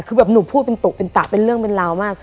คือแบบหนูพูดเป็นตุเป็นตะเป็นเรื่องเป็นราวมาก